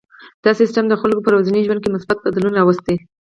دا سیستم د خلکو په ورځني ژوند کې مثبت بدلون راوستی.